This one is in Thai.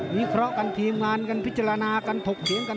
วิเคราะห์กันทีมงานกันพิจารณากันถกเถียงกัน